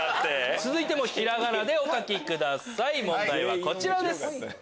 続いても平仮名でお書きください問題はこちらです。